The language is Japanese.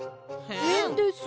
へんです。